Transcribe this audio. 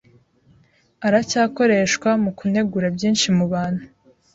aracyakoreshwa mu kunegura byinshi mu bantu